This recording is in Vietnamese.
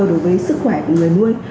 đối với sức khỏe của người nuôi